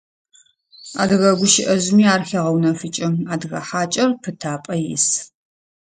Адыгэ гущыӏэжъыми ар хегъэунэфыкӏы: «Адыгэ хьакӏэр пытапӏэ ис».